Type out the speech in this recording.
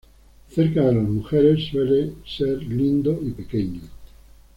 Cerca de las mujeres suele ser lindo y pequeño.